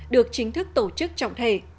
được chính thức tổ chức trọng thể